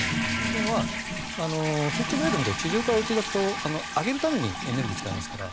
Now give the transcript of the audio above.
というのはスイッチブレードみたいに地上から打ち出すと上げるためにエネルギーを使いますから。